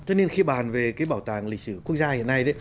cho nên khi bàn về cái bảo tàng lịch sử quốc gia hiện nay đấy